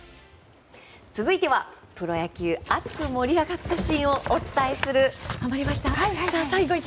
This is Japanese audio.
続いてはプロ野球熱く盛り上がったシーンをお伝えする。